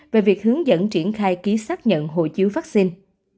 về việc hướng dẫn triển khai ký xác nhận hộ chứa vaccine